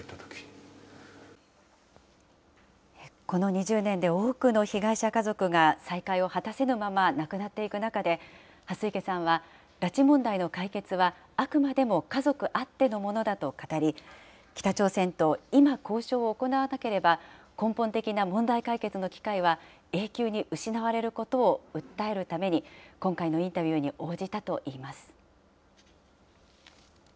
この２０年で多くの被害者家族が再会を果たせぬまま亡くなっていく中で、蓮池さんは、拉致問題の解決は、あくまでも家族あってのものだと語り、北朝鮮と今交渉を行わなければ、根本的な問題解決の機会は永久に失われることを訴えるために、今回のインタビューに応じたといいます。